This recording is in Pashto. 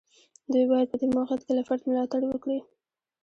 دوی باید په دې موقعیت کې له فرد ملاتړ وکړي.